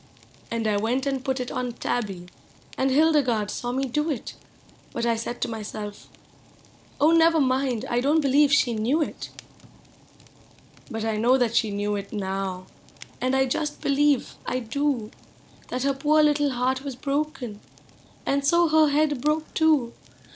And 1 went and put it on Tabby, and Hildegarde saw me do it ; I5ut I said to myself, "Oh, never mind, I don't be lieve she knew it !" Hut I know that she knew it now, and I just be lieve, I do. That her poor little heart was broken, and so her head broke too.